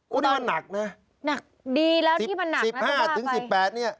ก็น่าหนักนะหนักดีแล้วที่มันหนักน่าจะได้ไปสิบห้าถึงสิบแปดเนี่ย